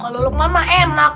kalau lukman mah enak